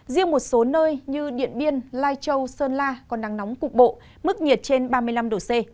riêng một số nơi như điện biên lai châu sơn la còn nắng nóng cục bộ mức nhiệt trên ba mươi năm độ c